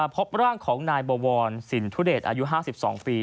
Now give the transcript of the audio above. พบร่างของนายบวรสินทุเดชอายุ๕๒ปี